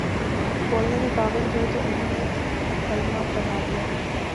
بولنے کے قابل ہوئے تو انہوں نے کلمہ پڑھادیا